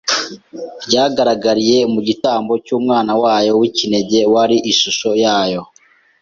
ryagaragariye mu gitambo cy’Umwana wayo w’ikinege wari ishusho yayo